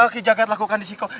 kijagat lakukan disiko